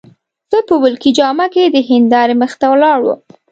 زه په ملکي جامه کي د هندارې مخې ته ولاړ وم.